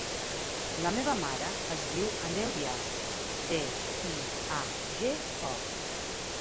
La meva mare es diu Aneu Diago: de, i, a, ge, o.